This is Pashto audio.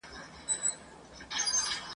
ژر به محتسبه د رندانو آزار ووینې ..